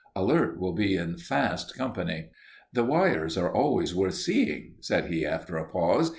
Alert will be in fast company. "The wires are always worth seeing," said he, after a pause.